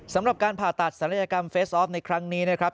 สำหรับการผ่าตัดศัลยกรรมเฟสออฟในครั้งนี้นะครับ